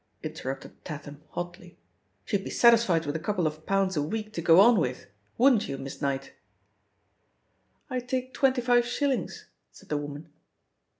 interrupted Tatham hotly. "She'd be satisfied with a couple of pounds a week to go on with; wouldn't you, Miss Kiiight?" "I'd take twenty five shillings," said the woman.